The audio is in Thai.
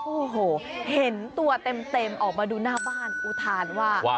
โอ้โหเห็นตัวเต็มออกมาดูหน้าบ้านอุทานว่า